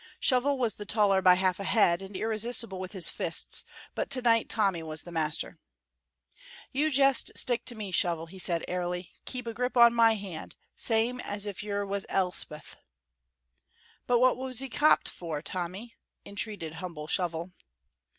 Shovel was the taller by half a head, and irresistible with his fists, but to night Tommy was master. "You jest stick to me, Shovel," he said airily. "Keep a grip on my hand, same as if yer was Elspeth." "But what was we copped for, Tommy?" entreated humble Shovel.